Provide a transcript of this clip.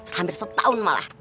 sampai setahun malah